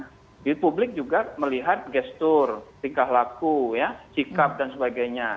jadi publik juga melihat gesture tingkah laku sikap dan sebagainya